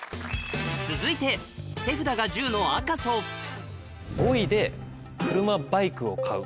続いて手札が１０の赤楚５位で車・バイクを買う。